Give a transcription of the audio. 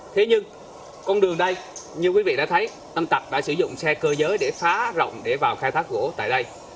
thế nhưng con đường đây như quý vị đã thấy anh tập đã sử dụng xe cơ giới để phá rộng để vào khai thác gỗ tại đây